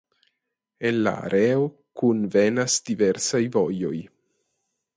En la areo kunvenas diversaj vojoj.